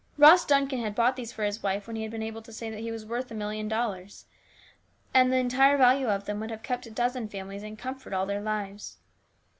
Ross Duncan had bought these for his wife when he had been able to say that he was worth a million dollars, and the entire value of them would have kept a dozen families in comfort all their lives.